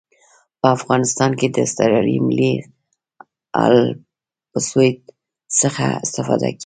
په افغانستان کې د اسټرلیایي ملي الپسویډ څخه استفاده کیږي